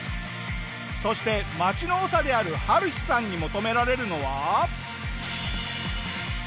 そして町の長であるハルヒさんに求められるのは。